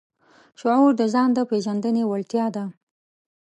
شعور د ځان د پېژندنې وړتیا ده.